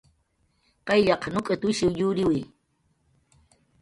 Qayllaq nuk'utwishiw yuriwi